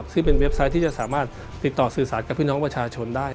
ซึ่งเป็นเว็บไซต์ที่จะสามารถติดต่อสื่อสารกับพี่น้องประชาชนได้